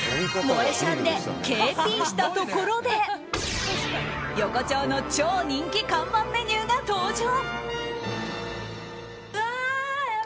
モエシャンでＫＰしたところで横丁の超人気看板メニューが登場！